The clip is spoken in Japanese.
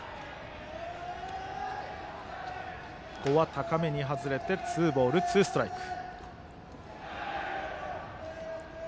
高めに外れてツーボール、ツーストライク。